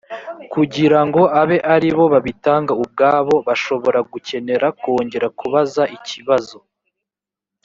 kugira ngo abe ari bo babitanga ubwabo bashobora gukenera kongera kubaza ikibazo